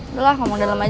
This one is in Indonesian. udah lah ngomong dalam aja